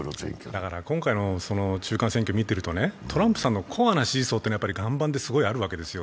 今回の中間選挙を見ているとトランプさんのコアな支持層というのは、岩盤であるわけですよ。